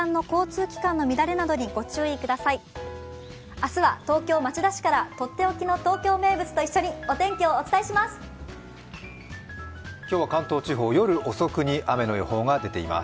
明日は東京・町田市から、とっておきの東京名物と一緒にお天気をお伝えします。